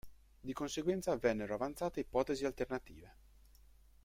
Di conseguenza vennero avanzate ipotesi alternative.